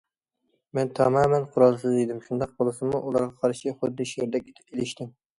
مەن تامامەن قورالسىز ئىدىم، شۇنداق بولسىمۇ، ئۇلارغا قارشى خۇددى شىردەك ئېلىشتىم.